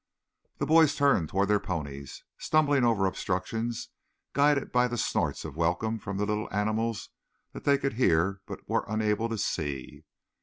The boys turned toward their ponies, stumbling over obstructions, guided by the snorts of welcome from the little animals that they could hear but were unable to see.